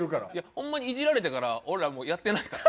ホンマにイジられてから俺らもうやってないから。